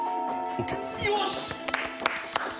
よし！